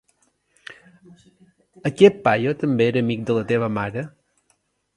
Aquest paio també era amic de la teva mare?